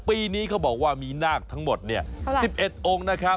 ปีนี้เขาบอกว่ามีนาคทั้งหมด๑๑องค์นะครับ